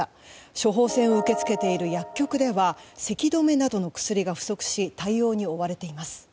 処方箋を受け付けている薬局ではせき止めなどの薬が不足し対応に追われています。